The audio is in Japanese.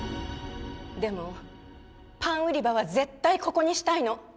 でもパン売り場は絶対ここにしたいの。